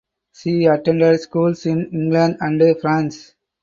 She attended schools in England and France.